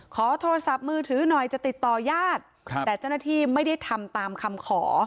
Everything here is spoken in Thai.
ขอโทรศัพท์มือถือหน่อยจะติดต่อญาติแต่เจ้าหน้าที่ไม่ได้ทำตามคำขอ